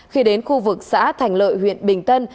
khi đến khu vực xã thành lợi huyện bình tân